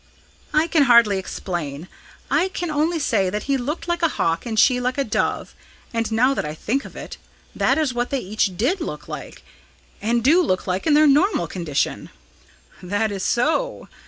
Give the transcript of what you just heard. "I can hardly explain. I can only say that he looked like a hawk and she like a dove and, now that I think of it, that is what they each did look like; and do look like in their normal condition." "That is so!"